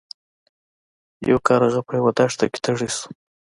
یو کارغه په یوه دښته کې تږی شو.